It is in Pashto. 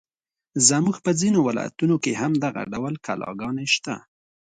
زموږ په ځینو ولایتونو کې هم دغه ډول کلاګانې شته.